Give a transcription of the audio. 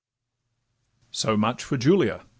So much for Julia.